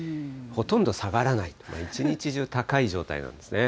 ほとんど下がらないと、一日中高い状態なんですね。